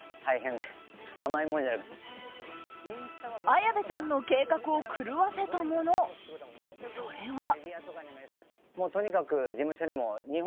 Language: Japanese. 綾部さんの計画を狂わせたものそれは。